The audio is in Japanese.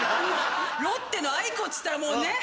ロッテの愛甲っつったらもうねっ！